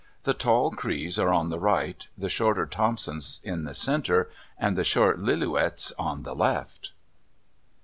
The tall Crees are on the right, the shorter Thompsons in the center, and the short Lillooets on the left.